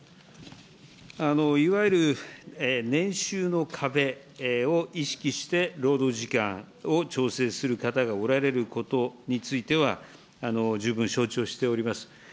いわゆる年収の壁を意識して労働時間を調整する方がおられることについては、十分承知をしております。